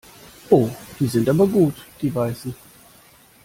Oh, die sind aber gut die Weißen.